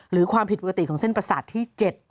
หรือความผิดปกติของเส้นประสาทที่๗